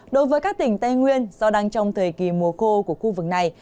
đối với các tỉnh tây nguyên do đang trong thời kỳ mùa khô của khu vực này